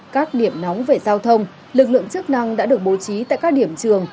các điểm nóng về giao thông lực lượng chức năng đã được bố trí tại các điểm trường